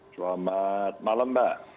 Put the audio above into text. selamat malam mbak